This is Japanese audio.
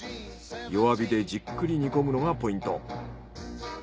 弱火でじっくり煮込むのがポイント。